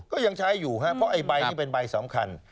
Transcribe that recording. ก็ยังใช้อยู่ครับเพราะไอ้ใบนี่เป็นใบสำคัญ